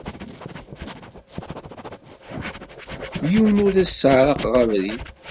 Yiwen ur as-sseɛraqeɣ abrid.